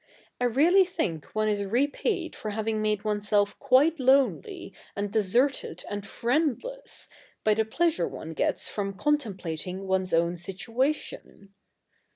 I really think one is repaid for having made oneself quite lonely, and deserted, and friendless, by the pleasure one gets from contemplating one's own situation."